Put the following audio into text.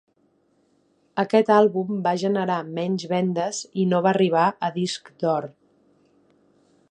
Aquest àlbum va generar menys vendes i no va arribar a disc d'or.